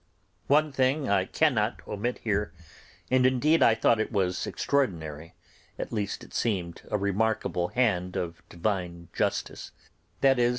One thing I cannot omit here, and indeed I thought it was extraordinary, at least it seemed a remarkable hand of Divine justice: viz.